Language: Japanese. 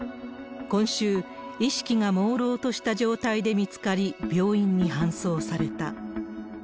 今週、意識がもうろうとした状態で見つかり、病院に搬送された。